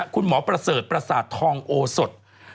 คุณหมอประเสริฐประสาททองโอสด